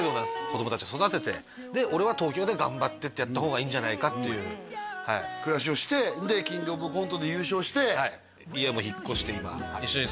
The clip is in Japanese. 子供達を育ててで俺は東京で頑張ってってやった方がいいんじゃないかっていうはい暮らしをしてでキングオブコントで優勝して３人で？